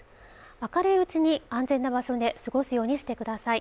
明るいうちに安全な場所で過ごすようにしてください